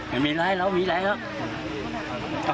ไม่มีไรแล้วมีอะไรแล้ว